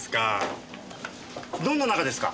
どんな仲ですか！？